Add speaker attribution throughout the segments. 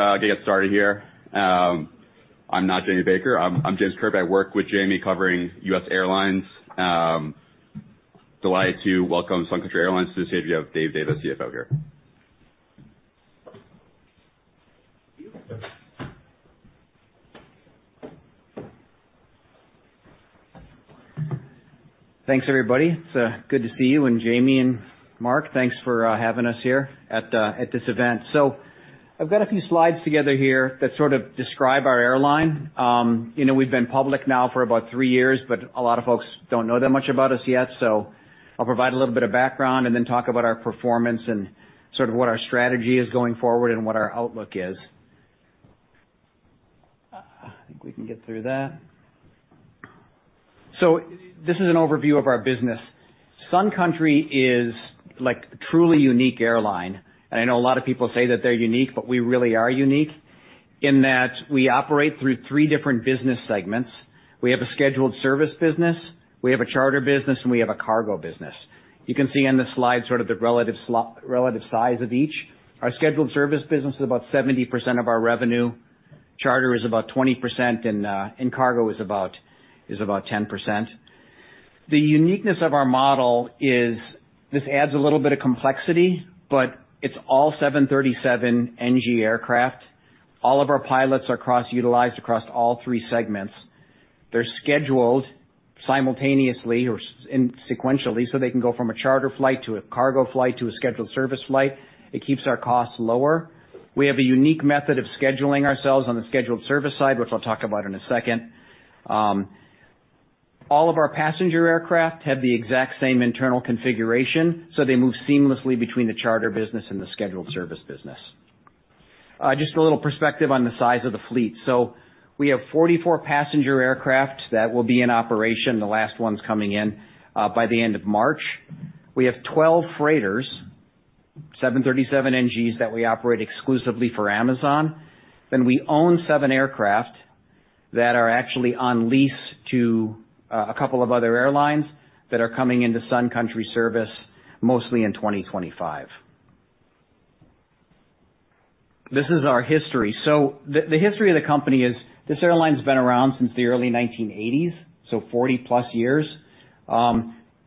Speaker 1: I'll get started here. I'm not Jamie Baker. I'm James Kirby. I work with Jamie covering U.S. Airlines. Delighted to welcome Sun Country Airlines to this interview. I have Dave Davis, CFO, here.
Speaker 2: Thanks, everybody. It's good to see you. And Jamie and Mark, thanks for having us here at this event. So I've got a few slides together here that sort of describe our airline. You know, we've been public now for about three years, but a lot of folks don't know that much about us yet. So I'll provide a little bit of background and then talk about our performance and sort of what our strategy is going forward and what our outlook is. I think we can get through that. So this is an overview of our business. Sun Country is, like, a truly unique airline. And I know a lot of people say that they're unique, but we really are unique in that we operate through three different business segments. We have a Scheduled Service business, we have a Charter business, and we have a Cargo business. You can see on the slide sort of the relative slot relative size of each. Our Scheduled Service business is about 70% of our revenue. Charter is about 20%, and Cargo is about 10%. The uniqueness of our model is this adds a little bit of complexity, but it's all 737 NG aircraft. All of our pilots are cross-utilized across all three segments. They're scheduled simultaneously or sequentially so they can go from a charter flight to a cargo flight to a Scheduled Service flight. It keeps our costs lower. We have a unique method of scheduling ourselves on the Scheduled Service side, which I'll talk about in a second. All of our passenger aircraft have the exact same internal configuration, so they move seamlessly between the Charter business and the Scheduled Service business. Just a little perspective on the size of the fleet. So we have 44 passenger aircraft that will be in operation. The last one's coming in, by the end of March. We have 12 freighters, 737 NGs that we operate exclusively for Amazon. Then we own seven aircraft that are actually on lease to, a couple of other airlines that are coming into Sun Country service mostly in 2025. This is our history. So the history of the company is this airline's been around since the early 1980s, so 40+ years.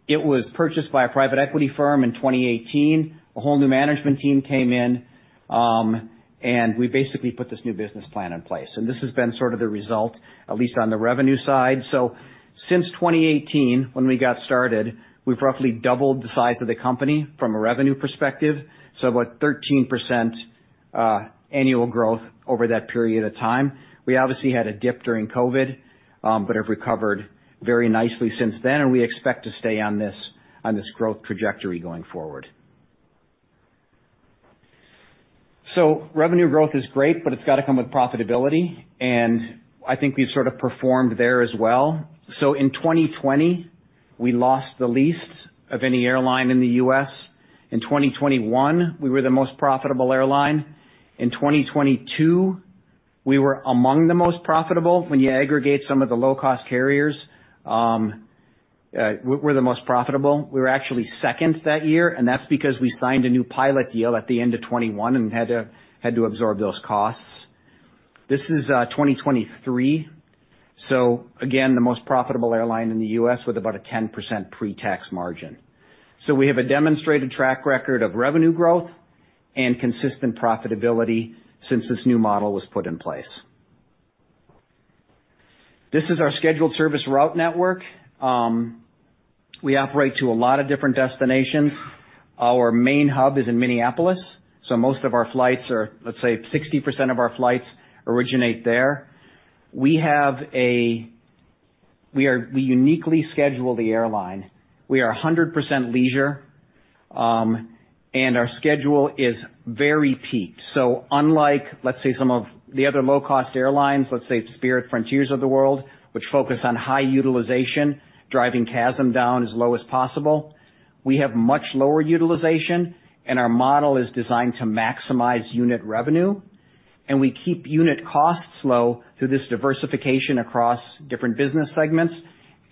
Speaker 2: It was purchased by a private equity firm in 2018. A whole new management team came in, and we basically put this new business plan in place. And this has been sort of the result, at least on the revenue side. So since 2018, when we got started, we've roughly doubled the size of the company from a revenue perspective, so about 13% annual growth over that period of time. We obviously had a dip during COVID, but have recovered very nicely since then. And we expect to stay on this growth trajectory going forward. So revenue growth is great, but it's gotta come with profitability. And I think we've sort of performed there as well. So in 2020, we lost the least of any airline in the U.S. In 2021, we were the most profitable airline. In 2022, we were among the most profitable. When you aggregate some of the low-cost carriers, we're the most profitable. We were actually second that year. And that's because we signed a new pilot deal at the end of 2021 and had to absorb those costs. This is 2023. So again, the most profitable airline in the U.S. with about a 10% pre-tax margin. So we have a demonstrated track record of revenue growth and consistent profitability since this new model was put in place. This is our Scheduled Service route network. We operate to a lot of different destinations. Our main hub is in Minneapolis, so most of our flights are let's say, 60% of our flights originate there. We uniquely schedule the airline. We are 100% leisure, and our schedule is very peaked. So unlike, let's say, some of the other low-cost airlines, let's say Spirit, Frontier, Southwest, which focus on high utilization, driving CASM down as low as possible, we have much lower utilization. And our model is designed to maximize unit revenue. And we keep unit costs low through this diversification across different business segments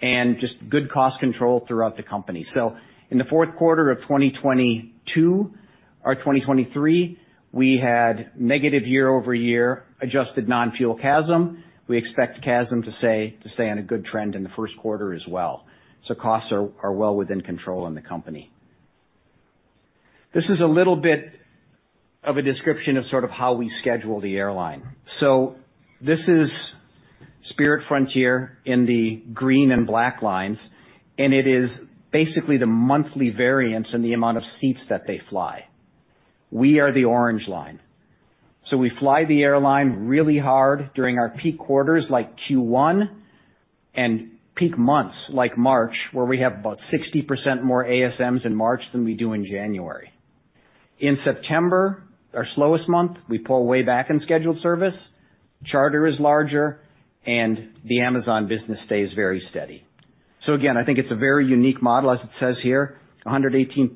Speaker 2: and just good cost control throughout the company. So in the fourth quarter of 2022 or 2023, we had negative year-over-year adjusted non-fuel CASM. We expect CASM to stay on a good trend in the first quarter as well. So costs are well within control in the company. This is a little bit of a description of sort of how we schedule the airline. So this is Spirit, Frontier in the green and black lines. And it is basically the monthly variance in the amount of seats that they fly. We are the orange line. So we fly the airline really hard during our peak quarters, like Q1, and peak months, like March, where we have about 60% more ASMs in March than we do in January. In September, our slowest month, we pull way back in Scheduled Service. Charter is larger, and the Amazon business stays very steady. So again, I think it's a very unique model, as it says here, 118%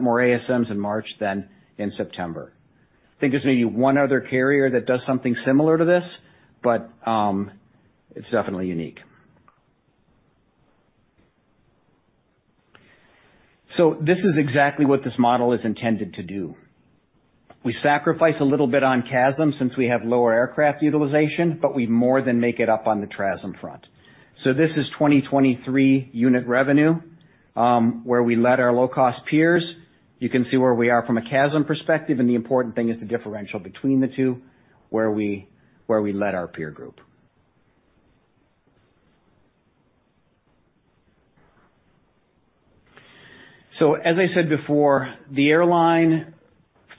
Speaker 2: more ASMs in March than in September. I think there's maybe one other carrier that does something similar to this, but it's definitely unique. So this is exactly what this model is intended to do. We sacrifice a little bit on CASM since we have lower aircraft utilization, but we more than make it up on the CASM front. So this is 2023 unit revenue, where we lead our low-cost peers. You can see where we are from a CASM perspective. And the important thing is the differential between the two, where we lead our peer group. So as I said before, the airline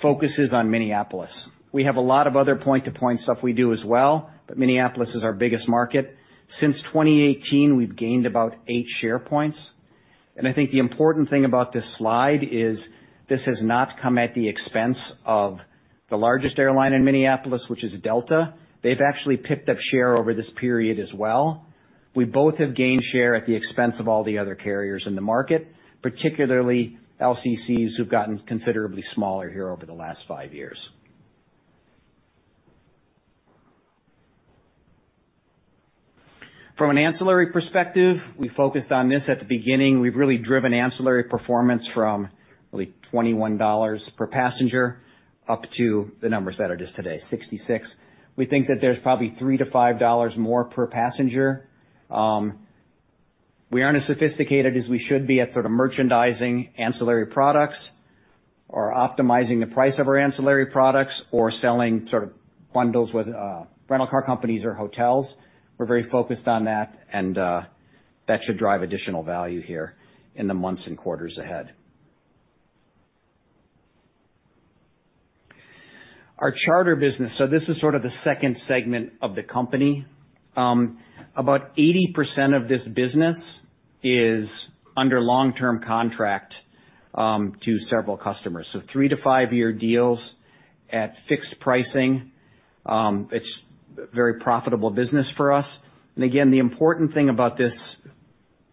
Speaker 2: focuses on Minneapolis. We have a lot of other point-to-point stuff we do as well, but Minneapolis is our biggest market. Since 2018, we've gained about 8 share points. I think the important thing about this slide is this has not come at the expense of the largest airline in Minneapolis, which is Delta. They've actually picked up share over this period as well. We both have gained share at the expense of all the other carriers in the market, particularly LCCs who've gotten considerably smaller here over the last 5 years. From an ancillary perspective, we focused on this at the beginning. We've really driven ancillary performance from, really, $21 per passenger up to the numbers that are just today, $66. We think that there's probably $3-$5 more per passenger. We aren't as sophisticated as we should be at sort of merchandising ancillary products or optimizing the price of our ancillary products or selling sort of bundles with rental car companies or hotels. We're very focused on that. And that should drive additional value here in the months and quarters ahead. Our Charter business, so this is sort of the second segment of the company. About 80% of this business is under long-term contract to several customers, so 3-5year deals at fixed pricing. It's a very profitable business for us. And again, the important thing about this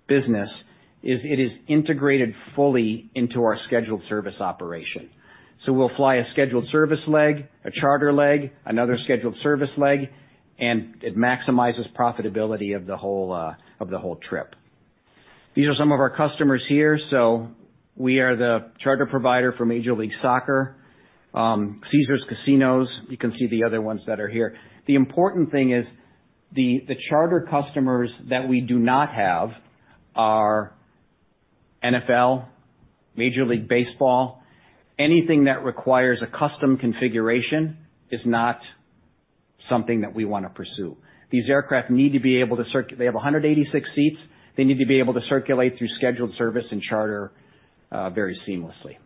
Speaker 2: business is it is integrated fully into our Scheduled Service operation. So we'll fly a Scheduled Service leg, a charter leg, another Scheduled Service leg. And it maximizes profitability of the whole, of the whole trip. These are some of our customers here. So we are the charter provider for Major League Soccer, Caesars Casinos. You can see the other ones that are here. The important thing is the charter customers that we do not have are NFL, Major League Baseball. Anything that requires a custom configuration is not something that we wanna pursue. These aircraft need to be able to circulate, they have 186 seats. They need to be able to circulate through Scheduled Service and charter, very seamlessly.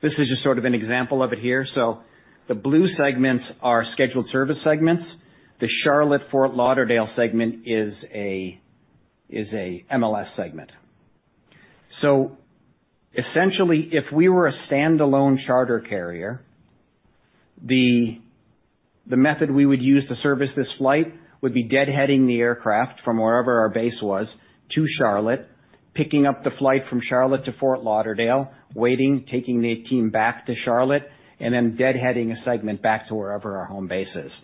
Speaker 2: This is just sort of an example of it here. So the blue segments are Scheduled Service segments. The Charlotte, Fort Lauderdale segment is a MLS segment. So essentially, if we were a standalone charter carrier, the method we would use to service this flight would be deadheading the aircraft from wherever our base was to Charlotte, picking up the flight from Charlotte to Fort Lauderdale, waiting, taking the team back to Charlotte, and then deadheading a segment back to wherever our home base is.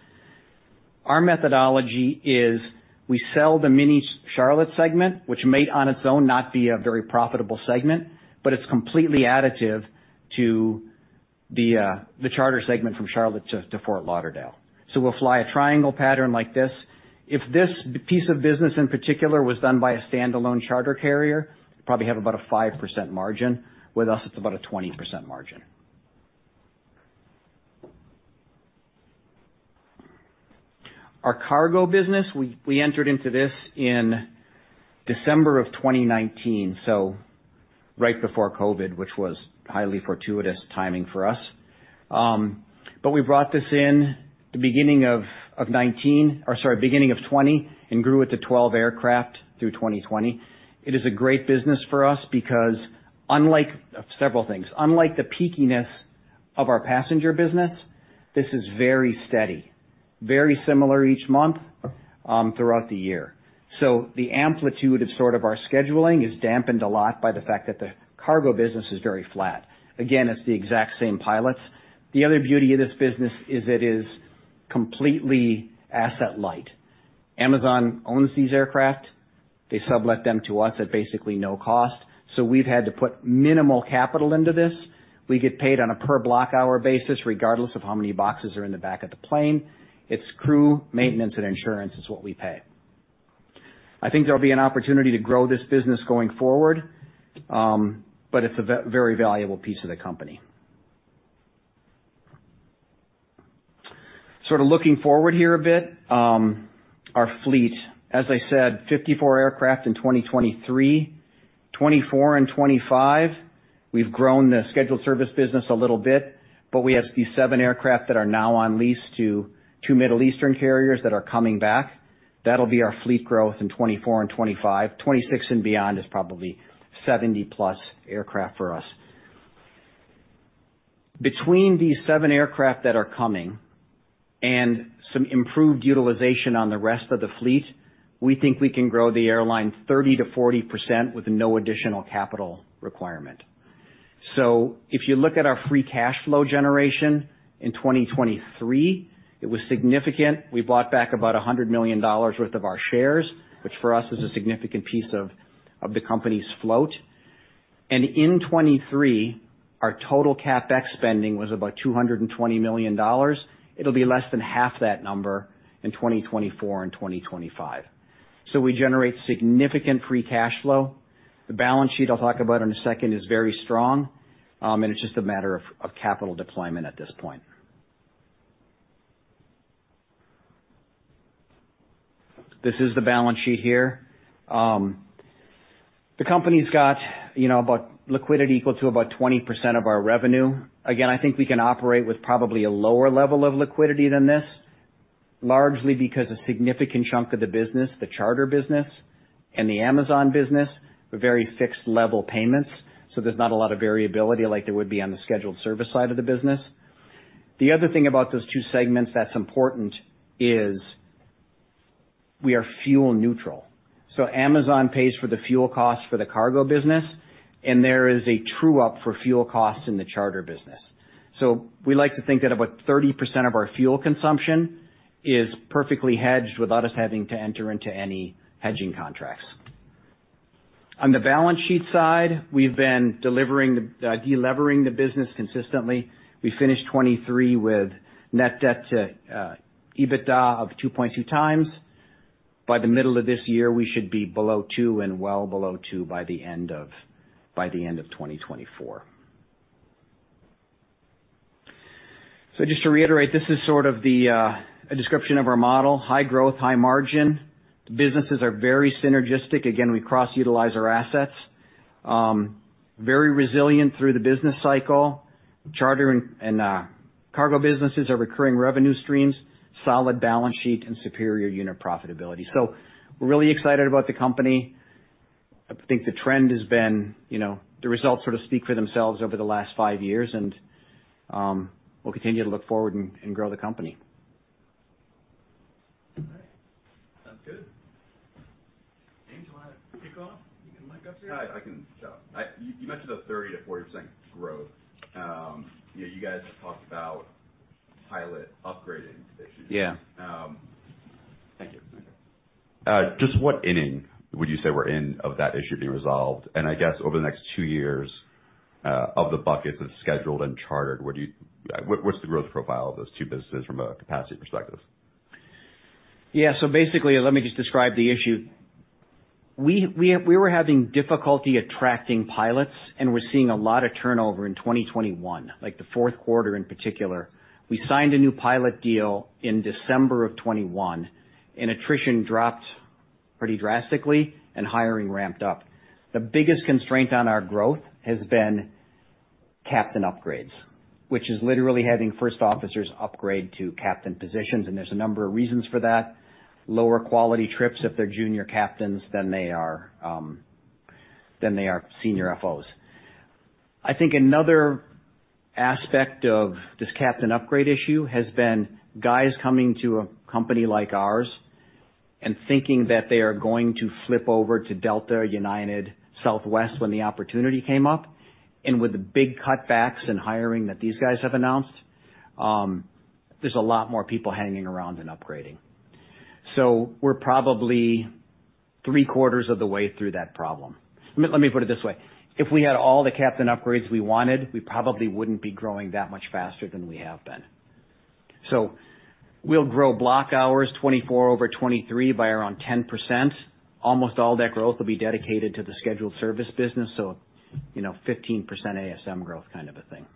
Speaker 2: Our methodology is we sell the mini Charlotte segment, which might on its own not be a very profitable segment, but it's completely additive to the charter segment from Charlotte to Fort Lauderdale. So we'll fly a triangle pattern like this. If this b piece of business in particular was done by a standalone charter carrier, you'd probably have about a 5% margin. With us, it's about a 20% margin. Our Cargo business, we entered into this in December of 2019, so right before COVID, which was highly fortuitous timing for us. We brought this in the beginning of 2019 or sorry, beginning of 2020 and grew it to 12 aircraft through 2020. It is a great business for us because, unlike several things, unlike the peakiness of our passenger business, this is very steady, very similar each month, throughout the year. So the amplitude of sort of our scheduling is dampened a lot by the fact that the Cargo business is very flat. Again, it's the exact same pilots. The other beauty of this business is it is completely asset-light. Amazon owns these aircraft. They sublet them to us at basically no cost. So we've had to put minimal capital into this. We get paid on a per-block-hour basis regardless of how many boxes are in the back of the plane. It's crew, maintenance, and insurance is what we pay. I think there'll be an opportunity to grow this business going forward, but it's a very valuable piece of the company. Sort of looking forward here a bit, our fleet, as I said, 54 aircraft in 2023, 2024 and 2025. We've grown the Scheduled Service business a little bit, but we have these 7 aircraft that are now on lease to two Middle Eastern carriers that are coming back. That'll be our fleet growth in 2024 and 2025. 2026 and beyond is probably 70+ aircraft for us. Between these 7 aircraft that are coming and some improved utilization on the rest of the fleet, we think we can grow the airline 30%-40% with no additional capital requirement. So if you look at our free cash flow generation in 2023, it was significant. We bought back about $100 million worth of our shares, which for us is a significant piece of, of the company's float. And in 2023, our total CapEx spending was about $220 million. It'll be less than half that number in 2024 and 2025. So we generate significant free cash flow. The balance sheet I'll talk about in a second is very strong, and it's just a matter of, of capital deployment at this point. This is the balance sheet here. The company's got, you know, about liquidity equal to about 20% of our revenue. Again, I think we can operate with probably a lower level of liquidity than this, largely because a significant chunk of the business, the Charter business and the Amazon business, are very fixed-level payments. So there's not a lot of variability like there would be on the Scheduled Service side of the business. The other thing about those two segments that's important is we are fuel-neutral. So Amazon pays for the fuel costs for the Cargo business. And there is a true-up for fuel costs in the Charter business. So we like to think that about 30% of our fuel consumption is perfectly hedged without us having to enter into any hedging contracts. On the balance sheet side, we've been delivering the, delevering the business consistently. We finished 2023 with net debt to EBITDA of 2.2 times. By the middle of this year, we should be below two and well below two by the end of 2024. So just to reiterate, this is sort of a description of our model: high growth, high margin. The businesses are very synergistic. Again, we cross-utilize our assets, very resilient through the business cycle. Charter and Cargo businesses are recurring revenue streams, solid balance sheet, and superior unit profitability. So we're really excited about the company. I think the trend has been, you know the results sort of speak for themselves over the last five years. And we'll continue to look forward and grow the company.
Speaker 1: All right. Sounds good. James, you wanna kick off? You can mic up here. Hi. I can jump in. You, you mentioned a 30%-40% growth. You know, you guys have talked about pilot upgrading issues.
Speaker 2: Yeah. thank you.
Speaker 1: Just what inning would you say we're in of that issue being resolved? And I guess over the next two years, of the buckets of scheduled and chartered, what's the growth profile of those two businesses from a capacity perspective?
Speaker 2: Yeah. So basically, let me just describe the issue. We were having difficulty attracting pilots. And we're seeing a lot of turnover in 2021, like the fourth quarter in particular. We signed a new pilot deal in December of 2021. And attrition dropped pretty drastically. And hiring ramped up. The biggest constraint on our growth has been captain upgrades, which is literally having first officers upgrade to captain positions. And there's a number of reasons for that: lower quality trips if they're junior captains than they are senior FOs. I think another aspect of this captain upgrade issue has been guys coming to a company like ours and thinking that they are going to flip over to Delta, United, Southwest when the opportunity came up. And with the big cutbacks in hiring that these guys have announced, there's a lot more people hanging around and upgrading. So we're probably three-quarters of the way through that problem. Let me put it this way. If we had all the captain upgrades we wanted, we probably wouldn't be growing that much faster than we have been. So we'll grow block hours 2024 over 2023 by around 10%. Almost all that growth will be dedicated to the Scheduled Service business, so, you know, 15% ASM growth kind of a thing.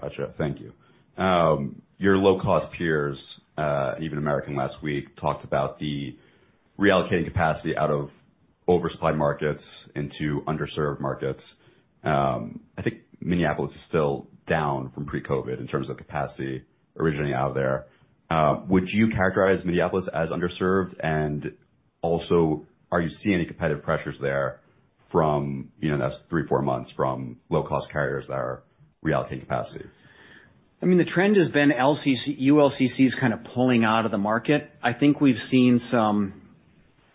Speaker 1: Gotcha. Thank you. Your low-cost peers, even American last week, talked about the reallocating capacity out of oversupplied markets into underserved markets. I think Minneapolis is still down from pre-COVID in terms of capacity originating out there. Would you characterize Minneapolis as underserved? And also, are you seeing any competitive pressures there from, you know, the next 3, 4 months from low-cost carriers that are reallocating capacity?
Speaker 2: I mean, the trend has been LCC ULCCs kinda pulling out of the market. I think we've seen some,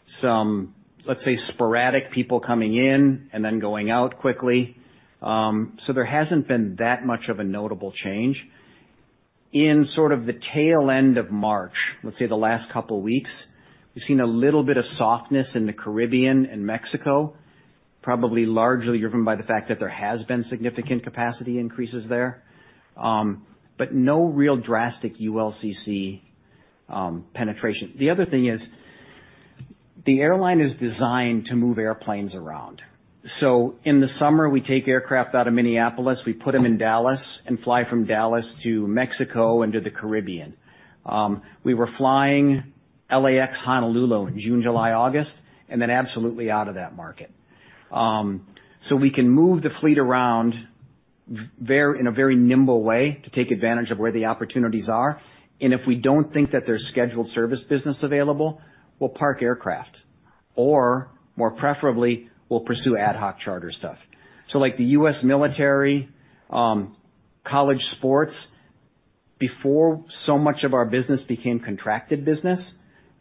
Speaker 2: some, let's say, sporadic people coming in and then going out quickly. So there hasn't been that much of a notable change. In sort of the tail end of March, let's say the last couple weeks, we've seen a little bit of softness in the Caribbean and Mexico, probably largely driven by the fact that there has been significant capacity increases there, but no real drastic ULCC penetration. The other thing is the airline is designed to move airplanes around. So in the summer, we take aircraft out of Minneapolis. We put them in Dallas and fly from Dallas to Mexico and to the Caribbean. We were flying LAX Honolulu in June, July, August, and then absolutely out of that market. So we can move the fleet around very in a very nimble way to take advantage of where the opportunities are. And if we don't think that there's Scheduled Service business available, we'll park aircraft. Or more preferably, we'll pursue ad hoc charter stuff. So like the U.S. military, college sports, before so much of our business became contracted business,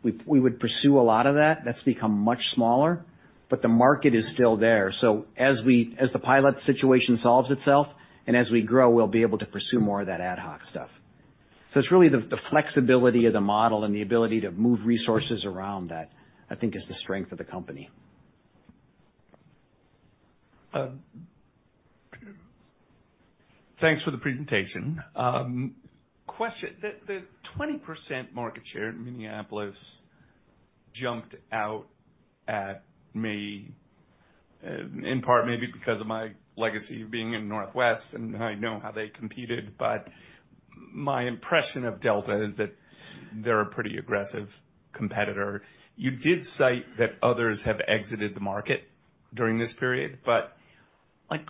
Speaker 2: we, we would pursue a lot of that. That's become much smaller. But the market is still there. So as we as the pilot situation solves itself and as we grow, we'll be able to pursue more of that ad hoc stuff. It's really the flexibility of the model and the ability to move resources around that, I think, is the strength of the company.
Speaker 3: Thanks for the presentation. Question: the 20% market share in Minneapolis jumped out at me, in part maybe because of my legacy of being in the Northwest. And I know how they competed. But my impression of Delta is that they're a pretty aggressive competitor. You did cite that others have exited the market during this period. But, like,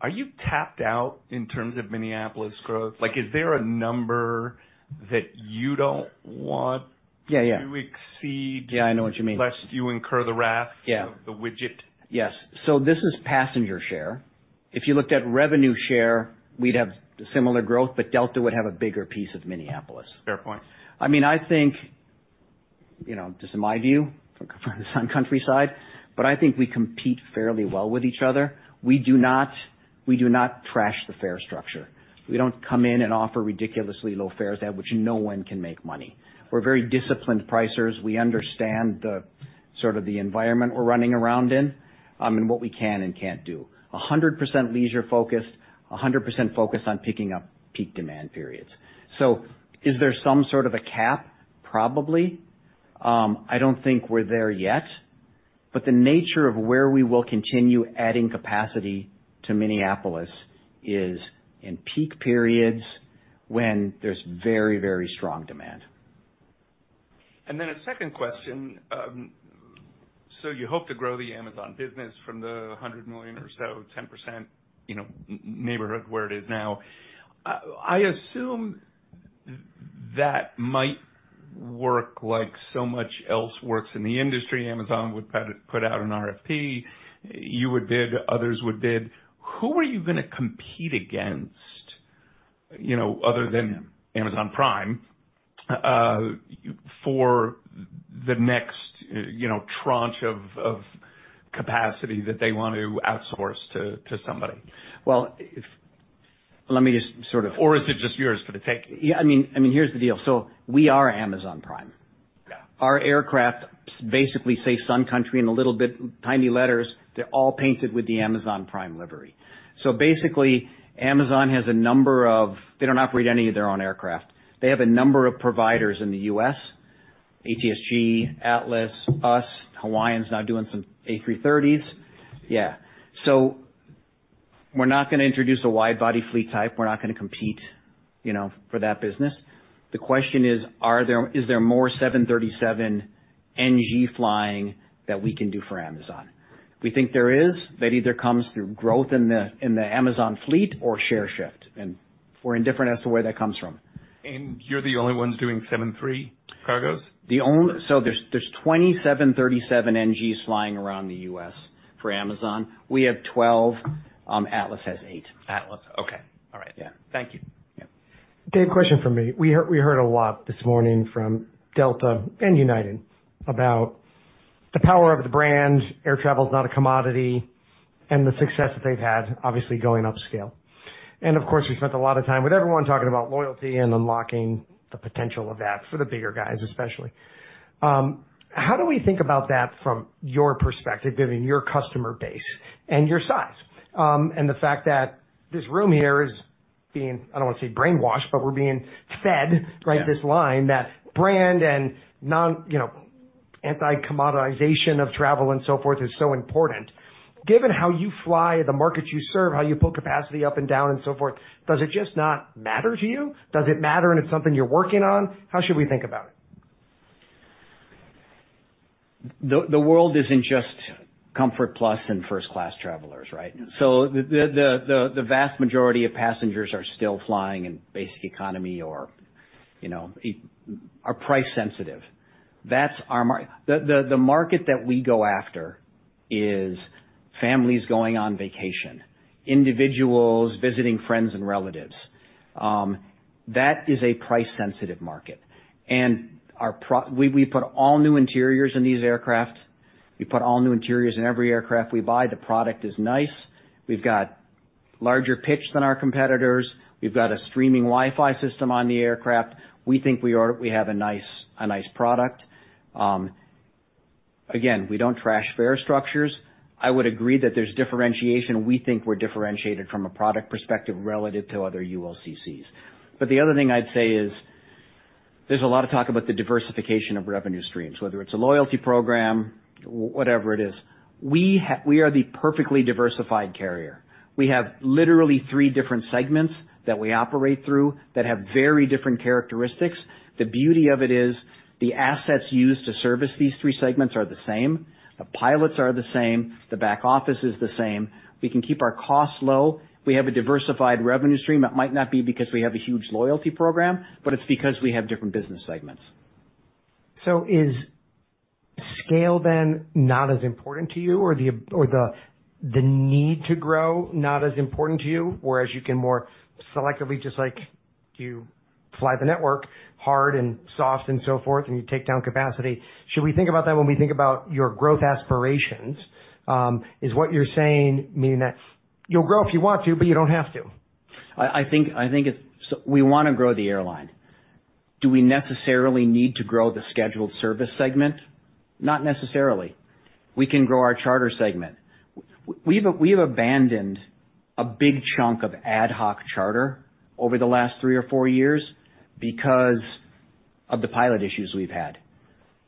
Speaker 3: are you tapped out in terms of Minneapolis growth? Like, is there a number that you don't want?
Speaker 2: Yeah, yeah.
Speaker 3: To exceed?
Speaker 2: Yeah. I know what you mean.
Speaker 3: Lest you incur the wrath.
Speaker 2: Yeah.
Speaker 3: Of the Widget?
Speaker 2: Yes. So this is passenger share. If you looked at revenue share, we'd have similar growth. But Delta would have a bigger piece of Minneapolis.
Speaker 3: Fair point.
Speaker 2: I mean, I think, you know, just in my view, from the Sun Country side, but I think we compete fairly well with each other. We do not trash the fare structure. We don't come in and offer ridiculously low fares there, which no one can make money. We're very disciplined pricers. We understand the sort of the environment we're running around in, and what we can and can't do, 100% leisure-focused, 100% focused on picking up peak demand periods. So is there some sort of a cap? Probably. I don't think we're there yet. But the nature of where we will continue adding capacity to Minneapolis is in peak periods when there's very, very strong demand.
Speaker 3: Then a second question. So you hope to grow the Amazon business from the $100 million or so 10%, you know, neighborhood where it is now. I assume that might work like so much else works in the industry. Amazon would put out an RFP. You would bid. Others would bid. Who are you gonna compete against, you know, other than. Amazon Prime, why for the next, you know, tranche of capacity that they wanna outsource to somebody?
Speaker 2: Well, let me just sort of.
Speaker 3: Or is it just yours for the take?
Speaker 2: Yeah. I mean, here's the deal. We are Amazon Prime.
Speaker 1: Yeah.
Speaker 2: Our aircraft's basically says Sun Country in a little bit tiny letters. They're all painted with the Amazon Prime livery. So basically, Amazon has a number of providers. They don't operate any of their own aircraft. They have a number of providers in the U.S., ATSG, Atlas, us. Hawaiian's now doing some A330s. Yeah. So we're not gonna introduce a wide-body fleet type. We're not gonna compete, you know, for that business. The question is, are there more 737 NG flying that we can do for Amazon? We think there is. That either comes through growth in the Amazon fleet or share shift. And we're indifferent as to where that comes from.
Speaker 3: You're the only ones doing 73 cargoes?
Speaker 2: There's 20 737 NGs flying around the U.S. for Amazon. We have 12. Atlas has 8.
Speaker 3: Atlas. Okay. All right.
Speaker 2: Yeah.
Speaker 3: Thank you.
Speaker 2: Yeah.
Speaker 4: Dave, question for me. We heard a lot this morning from Delta and United about the power of the brand, air travel's not a commodity, and the success that they've had, obviously, going upscale. And of course, we spent a lot of time with everyone talking about loyalty and unlocking the potential of that for the bigger guys, especially. How do we think about that from your perspective, given your customer base and your size, and the fact that this room here is being I don't wanna say brainwashed, but we're being fed, right, this line that brand and non, you know, anti-commoditization of travel and so forth is so important? Given how you fly, the markets you serve, how you pull capacity up and down and so forth, does it just not matter to you? Does it matter and it's something you're working on? How should we think about it?
Speaker 2: The world isn't just Comfort+ and first-class travelers, right? So the vast majority of passengers are still flying in basic economy or, you know, are price-sensitive. That's our market that we go after is families going on vacation, individuals visiting friends and relatives. That is a price-sensitive market. And we put all new interiors in these aircraft. We put all new interiors in every aircraft we buy. The product is nice. We've got larger pitch than our competitors. We've got a streaming Wi-Fi system on the aircraft. We think we have a nice product. Again, we don't trash fare structures. I would agree that there's differentiation. We think we're differentiated from a product perspective relative to other ULCCs. But the other thing I'd say is there's a lot of talk about the diversification of revenue streams, whether it's a loyalty program, whatever it is. We are the perfectly diversified carrier. We have literally three different segments that we operate through that have very different characteristics. The beauty of it is the assets used to service these three segments are the same. The pilots are the same. The back office is the same. We can keep our costs low. We have a diversified revenue stream. It might not be because we have a huge loyalty program, but it's because we have different business segments.
Speaker 4: So is scale then not as important to you? Or the need to grow not as important to you, whereas you can more selectively just, like, you fly the network hard and soft and so forth, and you take down capacity? Should we think about that when we think about your growth aspirations, is what you're saying meaning that you'll grow if you want to, but you don't have to?
Speaker 2: I think it's so we wanna grow the airline. Do we necessarily need to grow the Scheduled Service segment? Not necessarily. We can grow our charter segment. We've abandoned a big chunk of ad hoc charter over the last three or four years because of the pilot issues we've had.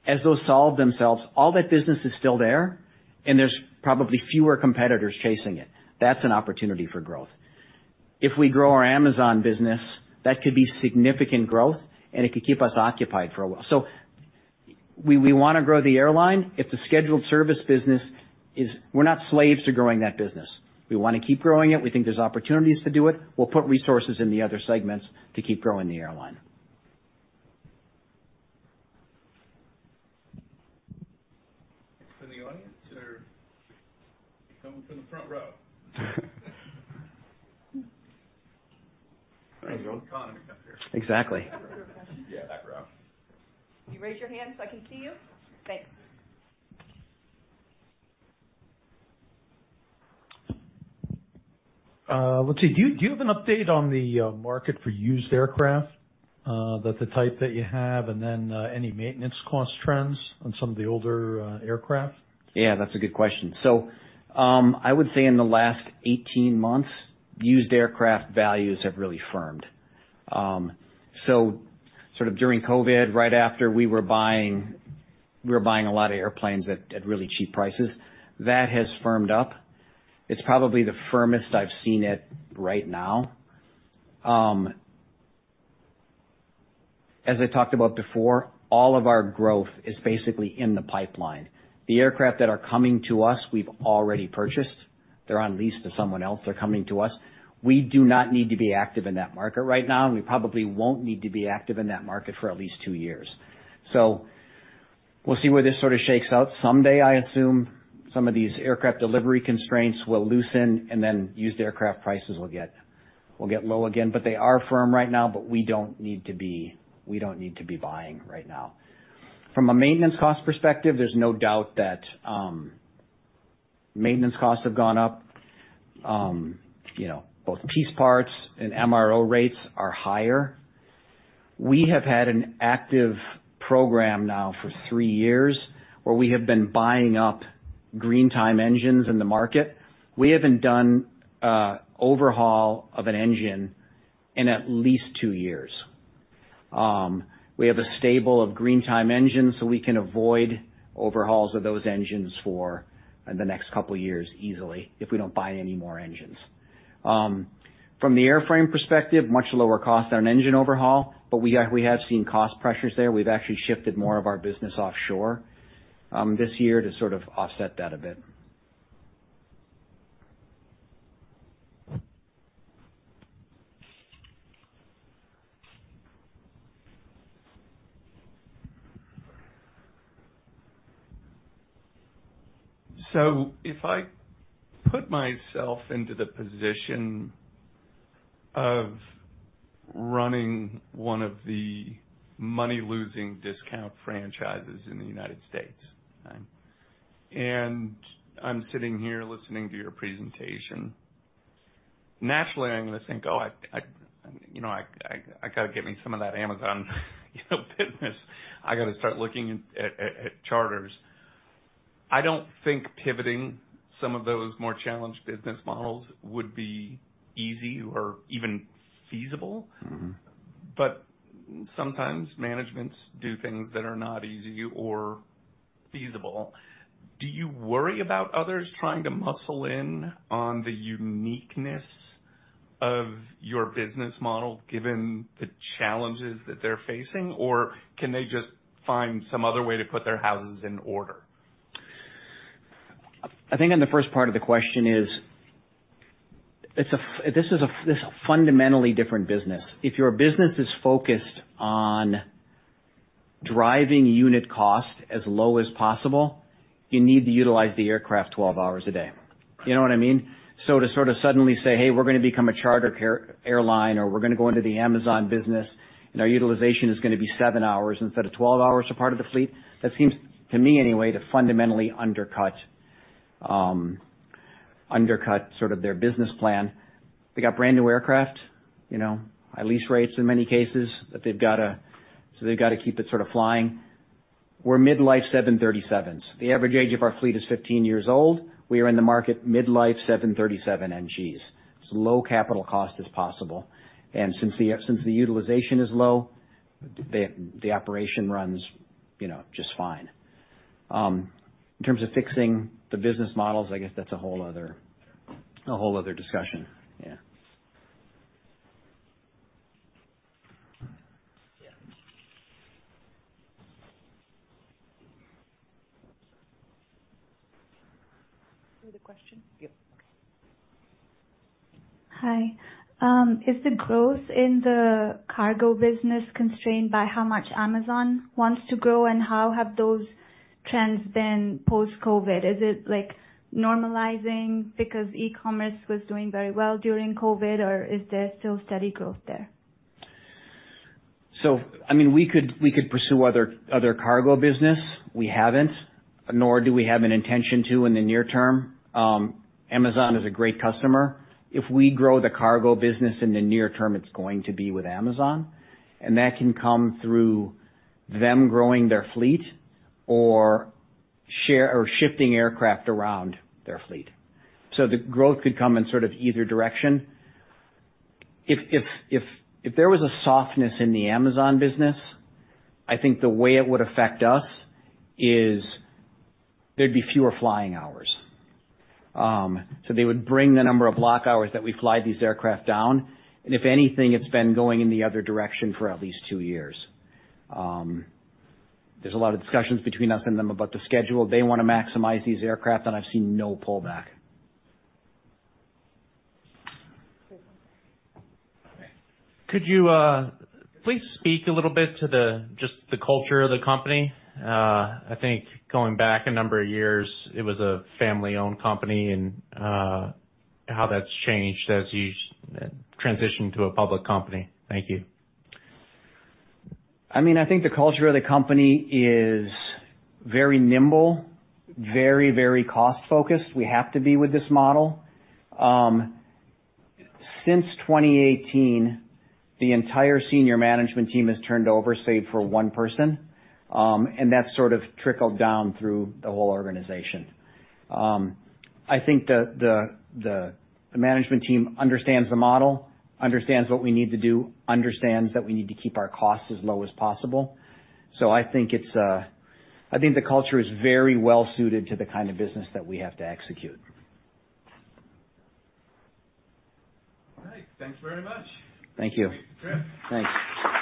Speaker 2: As those solve themselves, all that business is still there. And there's probably fewer competitors chasing it. That's an opportunity for growth. If we grow our Amazon business, that could be significant growth. And it could keep us occupied for a while. So we wanna grow the airline. If the Scheduled Service business is, we're not slaves to growing that business. We wanna keep growing it. We think there's opportunities to do it. We'll put resources in the other segments to keep growing the airline.
Speaker 1: From the audience or coming from the front row?
Speaker 5: Thanks
Speaker 1: Economy up here.
Speaker 2: Exactly.
Speaker 1: Is that your question?
Speaker 5: Yeah. Back row.
Speaker 6: Can you raise your hand so I can see you? Thanks.
Speaker 5: Let's see. Do you have an update on the market for used aircraft, that type that you have? And then, any maintenance cost trends on some of the older aircraft?
Speaker 2: Yeah. That's a good question. So, I would say in the last 18 months, used aircraft values have really firmed. So sort of during COVID, right after, we were buying a lot of airplanes at really cheap prices. That has firmed up. It's probably the firmest I've seen it right now. As I talked about before, all of our growth is basically in the pipeline. The aircraft that are coming to us, we've already purchased. They're on lease to someone else. They're coming to us. We do not need to be active in that market right now. And we probably won't need to be active in that market for at least 2 years. So we'll see where this sort of shakes out someday, I assume. Some of these aircraft delivery constraints will loosen. And then used aircraft prices will get low again. But they are firm right now. But we don't need to be buying right now. From a maintenance cost perspective, there's no doubt that maintenance costs have gone up. You know, both piece parts and MRO rates are higher. We have had an active program now for three years where we have been buying up green-time engines in the market. We haven't done overhaul of an engine in at least two years. We have a stable of green-time engines. So we can avoid overhauls of those engines for the next couple years easily if we don't buy any more engines. From the airframe perspective, much lower cost on an engine overhaul. But we have seen cost pressures there. We've actually shifted more of our business offshore this year to sort of offset that a bit.
Speaker 5: So if I put myself into the position of running one of the money-losing discount franchises in the United States, right, and I'm sitting here listening to your presentation, naturally, I'm gonna think, "Oh, you know, I gotta get me some of that Amazon, you know, business. I gotta start looking at charters." I don't think pivoting some of those more challenged business models would be easy or even feasible. Sometimes, managements do things that are not easy or feasible. Do you worry about others trying to muscle in on the uniqueness of your business model, given the challenges that they're facing? Or can they just find some other way to put their houses in order?
Speaker 2: I think on the first part of the question is it's this is a fundamentally different business. If your business is focused on driving unit cost as low as possible, you need to utilize the aircraft 12 hours a day. You know what I mean? So to sort of suddenly say, "Hey, we're gonna become a charter carrier airline," or, "We're gonna go into the Amazon business, and our utilization is gonna be seven hours instead of 12 hours for part of the fleet," that seems, to me anyway, to fundamentally undercut sort of their business plan. They got brand new aircraft, you know, high lease rates in many cases that they've gotta keep it sort of flying. We're mid-life 737s. The average age of our fleet is 15 years old. We are in the market mid-life 737 NGs. It's low capital cost as possible. Since the utilization is low, they, the operation runs, you know, just fine. In terms of fixing the business models, I guess that's a whole other discussion. Yeah.
Speaker 6: Yeah.
Speaker 1: Another question?
Speaker 6: Yep.
Speaker 7: Okay. Hi. Is the growth in the Cargo business constrained by how much Amazon wants to grow? And how have those trends been post-COVID? Is it, like, normalizing because e-commerce was doing very well during COVID? Or is there still steady growth there?
Speaker 2: So, I mean, we could pursue other Cargo business. We haven't, nor do we have an intention to in the near term. Amazon is a great customer. If we grow the Cargo business in the near term, it's going to be with Amazon. And that can come through them growing their fleet or share or shifting aircraft around their fleet. So the growth could come in sort of either direction. If there was a softness in the Amazon business, I think the way it would affect us is there'd be fewer flying hours. So they would bring the number of block hours that we fly these aircraft down. And if anything, it's been going in the other direction for at least two years. There's a lot of discussions between us and them about the schedule. They wanna maximize these aircraft. I've seen no pullback.
Speaker 8: Great. Could you please speak a little bit to just the culture of the company? I think going back a number of years, it was a family-owned company. How that's changed as you've transitioned to a public company. Thank you.
Speaker 2: I mean, I think the culture of the company is very nimble, very, very cost-focused. We have to be with this model. Since 2018, the entire senior management team has turned over, save for one person. That's sort of trickled down through the whole organization. I think the management team understands the model, understands what we need to do, understands that we need to keep our costs as low as possible. So I think it's, I think the culture is very well-suited to the kind of business that we have to execute.
Speaker 1: All right. Thanks very much.
Speaker 2: Thank you.
Speaker 1: Great trip.
Speaker 2: Thanks.